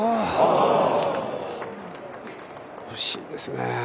惜しいですね。